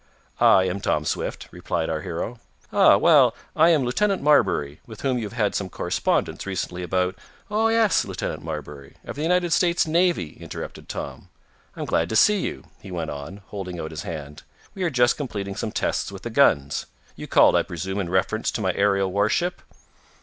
"I am Tom Swift," replied our hero. "Ah! Well, I am Lieutenant Marbury, with whom you had some correspondence recently about " "Oh, yes, Lieutenant Marbury, of the United States Navy," interrupted Tom. "I'm glad to see you," he went on, holding out his hand. "We are just completing some tests with the guns. You called, I presume, in reference to my aerial warship?"